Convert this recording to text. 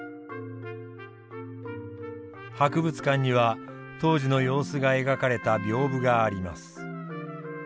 博物館には当時の様子が描かれた屏風があります。